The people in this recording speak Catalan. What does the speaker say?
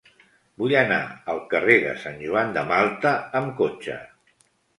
Vull anar al carrer de Sant Joan de Malta amb cotxe.